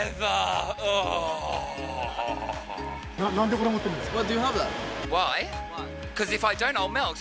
なんでこれ、持ってるんですか？